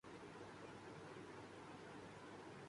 ''تیرے صدقے وے دلدارا‘‘ جس پہ ڈانس نیلو کا ہے۔